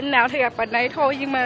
chỉ lặng lẽ